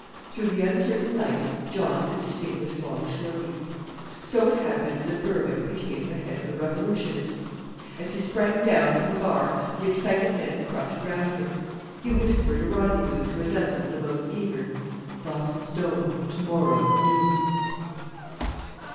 Through the uncertain light John could distinguish Long Shorty. So it happened that Berwick became the head of the revolutionists. As he sprang down from the bar the excited men crushed round him. He whispered a rendezvous to a dozen of the most eager, "Dawson's Dome, to morrow, noon."